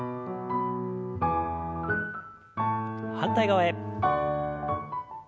反対側へ。